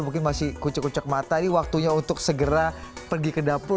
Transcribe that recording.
mungkin masih kucuk kucuk mata ini waktunya untuk segera pergi ke dapur